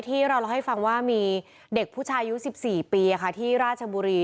ที่เราเล่าให้ฟังว่ามีเด็กผู้ชายอายุ๑๔ปีที่ราชบุรี